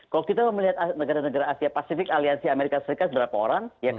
kalau kita melihat negara negara asia pasifik aliansi amerika serikat berapa orang